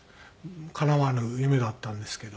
かなわぬ夢だったんですけど。